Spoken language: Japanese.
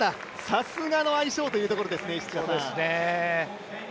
さすがの相性というところですね。